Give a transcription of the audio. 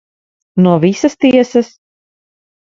No visas tiesas.